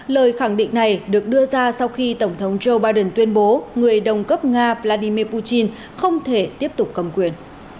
lời khẳng định này được đưa ra sau khi tổng thống joe biden tuyên bố người đồng cấp nga vladimir putin không thể tiếp tục cầm quyền